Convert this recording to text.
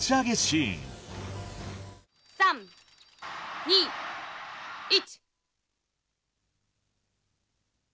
３・２・１・